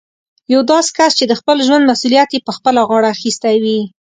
يو داسې کس چې د خپل ژوند مسوليت يې په خپله غاړه اخيستی وي.